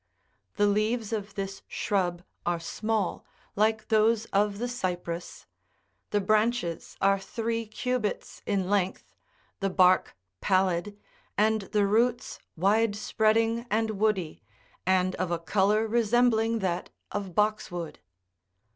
The leaves of this shrub are small, like those of the Cyprus ; 53 the branches are three cubits in length, the bark pallid, and the roots wide spreading and woody, and of a colour resembling that of boxwood.